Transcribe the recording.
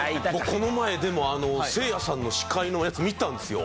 この前でもせいやさんの司会のやつ見たんですよ。